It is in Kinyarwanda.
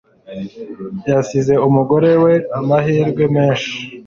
Yasize umugore we amahirwe menshi.